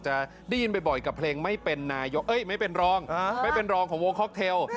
จะได้ยินบ่อยกับเพลงไม่เป็นร้องของวงคล็อกเทล